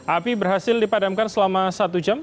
api berhasil dipadamkan selama satu jam